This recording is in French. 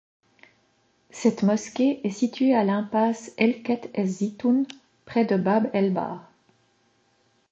Cette mosquée est située à l'impasse Helket Ez-Zitoun, près de Bab El Bhar.